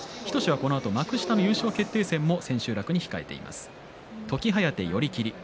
このあと幕下の優勝決定戦が千秋楽に控えています。